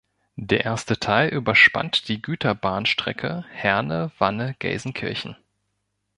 Der erste Teil überspannt die Güterbahnstrecke Herne-Wanne-Gelsenkirchen.